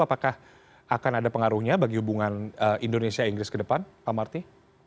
apakah akan ada pengaruhnya bagi hubungan indonesia inggris ke depan pak marty